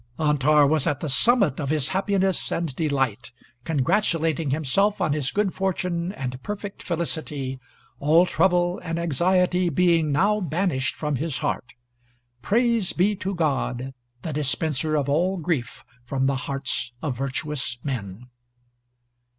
Antar was at the summit of his happiness and delight, congratulating himself on his good fortune and perfect felicity, all trouble and anxiety being now banished from his heart. Praise be to God, the dispenser of all grief from the hearts of virtuous men.